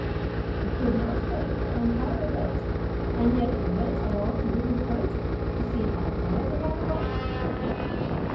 "You could not wait to untie the boat, and yet you went along the river front to see how high the water was?"